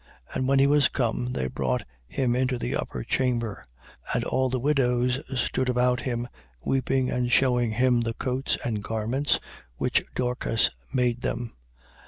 And when he was come, they brought him into the upper chamber. And all the widows stood about him, weeping and shewing him the coats and garments which Dorcas made them.